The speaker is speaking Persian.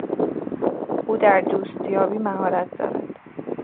او در دوستیابی مهارت دارد.